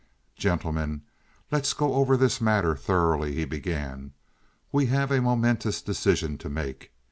"Gentlemen, let us go over this matter thoroughly," he began. "We have a momentous decision to make.